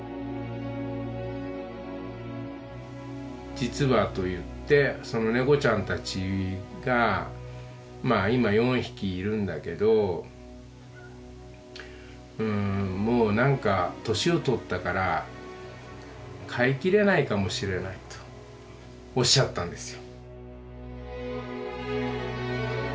実はと言って猫ちゃんたちが今４匹いるんだけどもう何か年を取ったから飼いきれないかもしれないとおっしゃったんですよ。